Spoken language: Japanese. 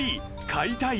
買いたい？